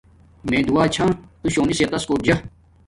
میے دعا چھا تو شونی صحت تس کوٹ جا